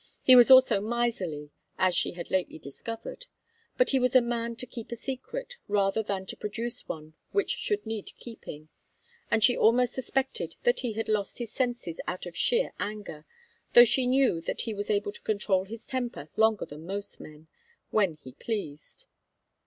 He was also miserly, as she had lately discovered. But he was a man to keep a secret, rather than to produce one which should need keeping, and she almost suspected that he had lost his senses out of sheer anger, though she knew that he was able to control his temper longer than most men, when he pleased.